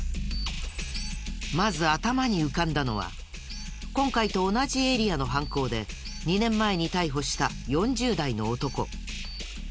まず頭に浮かんだのは今回と同じエリアの犯行で２年前に逮捕した４０代の男。